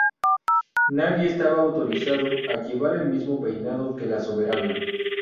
Nadie estaba autorizado a llevar el mismo peinado que la soberana.